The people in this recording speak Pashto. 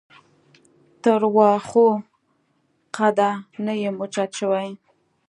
تر واښو قده نه یم اوچت شوی.